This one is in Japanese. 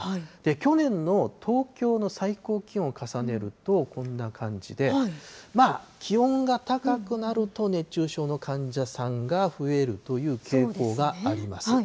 去年の東京の最高気温を重ねると、こんな感じで、気温が高くなると、熱中症の患者さんが増えるという傾向があります。